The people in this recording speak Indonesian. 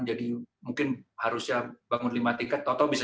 jadi mungkin harusnya bangun lima tingkat atau lainnya